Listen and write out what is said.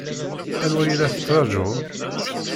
Anwa ay la tettṛajuḍ?